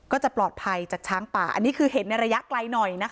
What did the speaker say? ก็จะปลอดภัยจากช้างป่าอันนี้คือเห็นในระยะไกลหน่อยนะคะ